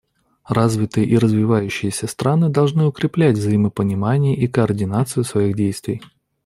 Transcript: Развитые и развивающиеся страны должны укреплять взаимопонимание и координацию своих действий.